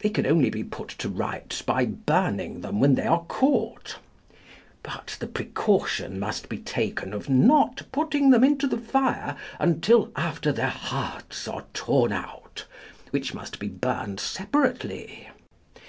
They can only be put to rights by burning them when they are caught. But the precaution must be taken of not putting them into the fire until after their hearts are torn out, which must be burned separately.